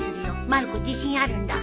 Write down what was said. まる子自信あるんだ。